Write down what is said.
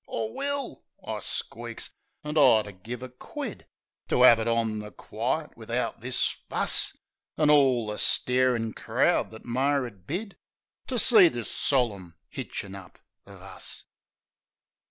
"I will," I squeaks. An' I'd 'a' give a quid To 'ad it on the quite, wivout this fuss, An' orl the starin' crowd that Mar 'ad bid To see this solim hitchin' up of us.